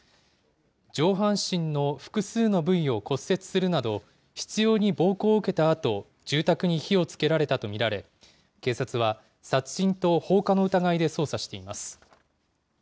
上半身の複数の部位を骨折するなど、執ように暴行を受けたあと、住宅に火をつけられたと見られ、警察は、殺人と放火の疑いで捜査しています。